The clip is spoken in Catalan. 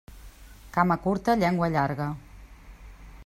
Cama curta, llengua llarga.